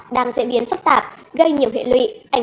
đang diễn biến phức tạp gây nhiều hệ lụy